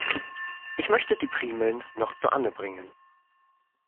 Ich möchte die Primeln noch zu Anne bringen.